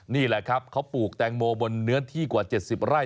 นี่แหละครับเขาปลูกแตงโมบนเนื้อที่กว่า๗๐ไร่